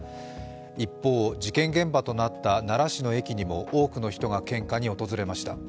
一方、事件現場となった奈良市の駅にも多くの人が献花に訪れました。